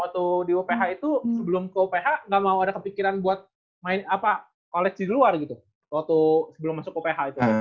waktu college di wph itu sebelum ke wph nggak mau ada kepikiran buat college di luar gitu waktu sebelum masuk ke wph itu